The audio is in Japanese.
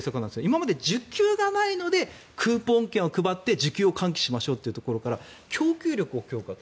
今まで需給がないのでクーポン券を配って需給を喚起しましょうというところから供給力を強化と。